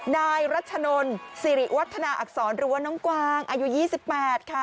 นายรัชนลสิริวัฒนาอักษรหรือว่าน้องกวางอายุ๒๘ค่ะ